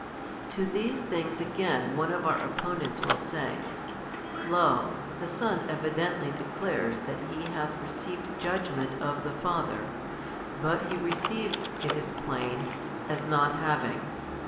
To these things again one of our opponents will say, "Lo, the Son evidently declares that He hath received judgement of the Father; but He receives (it is plain) aa not having.